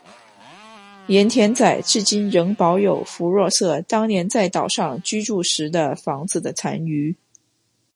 盐田仔至今仍保有福若瑟当年在岛上居住时的房子的残余。